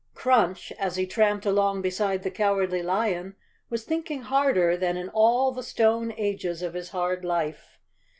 Crunch, as he tramped along beside the Cowardly Lion, was thinking harder than in all the stone ages of his hard life.